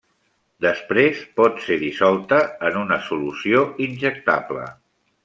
Després pot ser dissolta en una solució injectable.